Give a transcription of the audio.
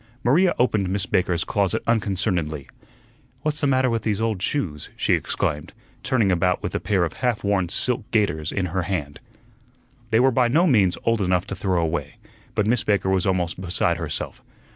Maria opened Miss Baker's closet unconcernedly. "What's the matter with these old shoes?" she exclaimed, turning about with a pair of half worn silk gaiters in her hand. They were by no means old enough to throw away, but Miss Baker was almost beside herself.